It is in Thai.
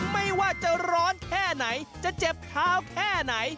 ไม่ว่าจะร้อนแค่ไหนจะเจ็บเท้าแค่ไหน